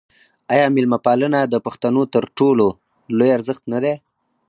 آیا میلمه پالنه د پښتنو تر ټولو لوی ارزښت نه دی؟